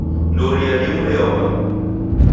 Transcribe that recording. Ndoria rimu reoma